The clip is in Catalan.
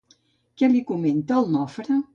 Què li comenta el Nofre?